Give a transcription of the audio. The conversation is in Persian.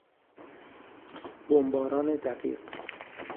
بمباران دقیق